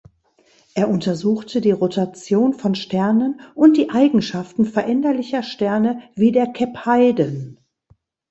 Er untersuchte die Rotation von Sternen und die Eigenschaften veränderlicher Sterne wie der Cepheiden.